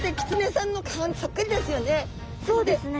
そうですね。